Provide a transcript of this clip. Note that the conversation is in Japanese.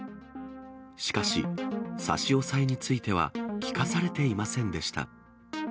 しかし、差し押さえについては聞かされていませんでした。